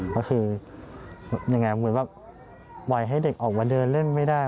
ก็คือยังไงเหมือนว่าปล่อยให้เด็กออกมาเดินเล่นไม่ได้